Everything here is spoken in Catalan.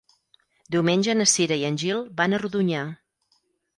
Diumenge na Cira i en Gil van a Rodonyà.